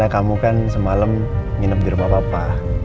kamu kan semalam nginep di rumah papa